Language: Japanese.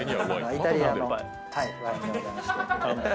イタリアのワインでございまして。